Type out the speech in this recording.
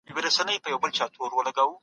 دغو څیړنو د ټولنیزې بیا کتنې بڼه لرله.